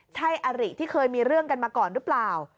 ใช่อริที่เคยมีเรื่องกันมาก่อนหรือเปล่า